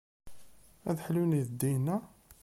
Ad ḥlun yideddiyen-a?